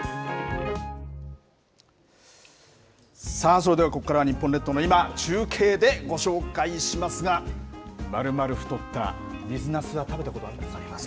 それではここからは日本列島の今、中継でご紹介しますが、まるまる太った水なすは、食べたことありますか。